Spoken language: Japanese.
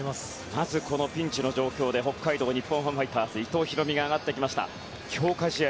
まずピンチの状況で北海道日本ハムファイターズの伊藤大海が上がってきました。